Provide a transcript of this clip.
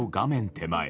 手前